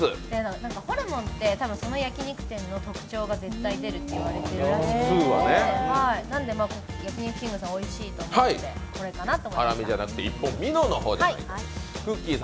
ホルモンって、その焼き肉店の特徴が絶対出ると言われているので、焼肉きんぐさん、おいしいと思うので、これかなと。